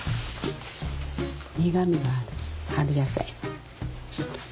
苦みがある春野菜。